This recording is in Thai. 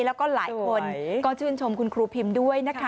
แล้วก็หลายคนก็ชื่นชมคุณครูพิมด้วยนะคะ